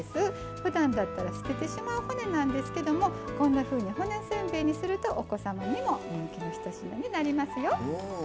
ふだんだったら捨ててしまう骨なんですけどこんなふうに骨せんべいにするとお子様にも人気のひと品になりますよ。